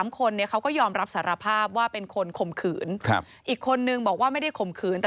๓คนเขาก็ยอมรับสารภาพว่าเป็นคนขมขืน